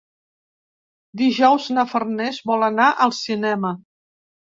Dijous na Farners vol anar al cinema.